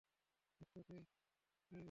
লোকটাকে ওই মেরেছে!